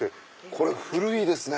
これ古いですね。